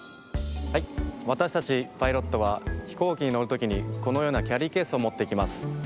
はいわたしたちパイロットはひこうきにのるときにこのようなキャリーケースをもっていきます。